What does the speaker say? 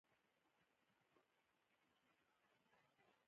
نوم معمولا د نیکه یا مشر په نوم ایښودل کیږي.